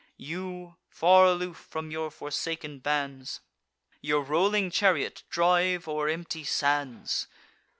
You, far aloof from your forsaken bands, Your rolling chariot drive o'er empty sands.